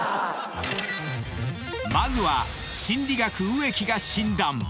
［まずは心理学植木が診断］